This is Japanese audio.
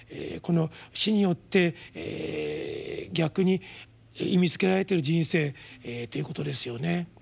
この死によって逆に意味づけられてる人生ということですよね。